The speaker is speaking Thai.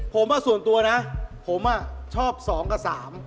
ผมว่าส่วนตัวนะผมชอบ๒กับ๓